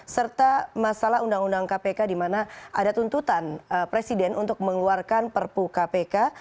serta masalah undang undang kpk di mana ada tuntutan presiden untuk mengeluarkan perpu kpk